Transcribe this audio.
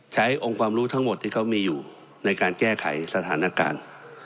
องค์ความรู้ทั้งหมดที่เขามีอยู่ในการแก้ไขสถานการณ์